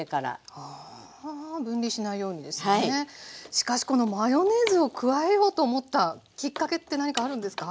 しかしこのマヨネーズを加えようと思ったきっかけって何かあるんですか？